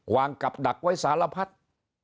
วางกับดักไว้สารพัด